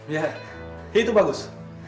ye itu bagus